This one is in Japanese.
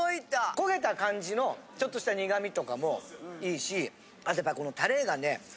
焦げた感じのちょっとした苦みとかもいいしあとやっぱこのタレがね